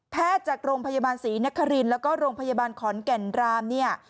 จากโรงพยาบาลศรีนครินแล้วก็โรงพยาบาลขอนแก่นรามเนี่ย